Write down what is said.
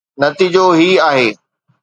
نتيجو هي آهي